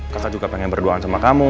kata juga pengen berduaan sama kamu